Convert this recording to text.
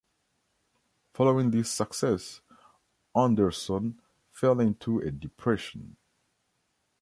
Following this success, Andersson fell into a depression.